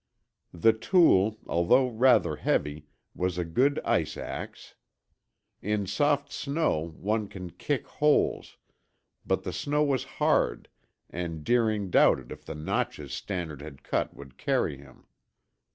The tool, although rather heavy, was a good ice ax. In soft snow, one can kick holes, but the snow was hard and Deering doubted if the notches Stannard had cut would carry him.